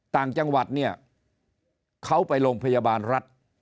ต่างจังหวัดเนี่ยเขาไปโรงพยาบาลรัฐ